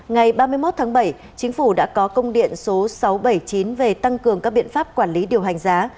ngày ba mươi một tháng bảy chính phủ đã có công điện số sáu trăm bảy mươi chín về tăng cường các biện pháp quản lý điều hành giá